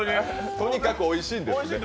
とにかくおいしいんですね。